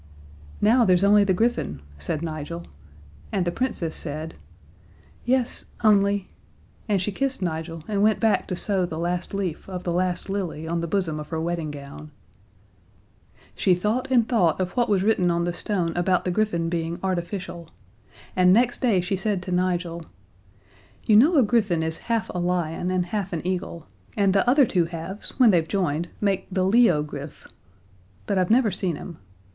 "Now, there's only the griffin," said Nigel. And the Princess said: "Yes only " And she kissed Nigel and went back to sew the last leaf of the last lily on the bosom of her wedding gown. She thought and thought of what was written on the stone about the griffin being artificial and next day she said to Nigel: "You know a griffin is half a lion and half an eagle, and the other two halves when they've joined make the leo griff. But I've never seen him.